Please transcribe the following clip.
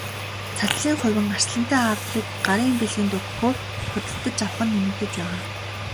Цацлын хувин, арслантай авдрыг гарын бэлгэнд өгөхөөр худалдаж авах нь нэмэгдэж байгаа.